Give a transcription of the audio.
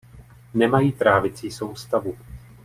Nemají trávicí soustavu.